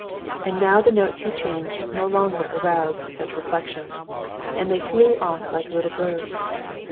And now the notes he changed no longer aroused such reflections, and they flew off like little birds.